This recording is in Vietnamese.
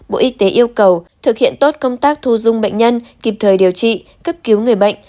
bộ y tế yêu cầu thực hiện tốt công tác thu dung bệnh nhân kịp thời điều trị cấp cứu người bệnh